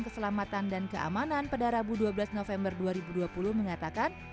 keselamatan dan keamanan pada rabu dua belas november dua ribu dua puluh mengatakan